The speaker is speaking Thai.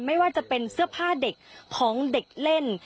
ไม่ว่าจะเป็นเสื้อผ้าเด็กของเด็กเล่น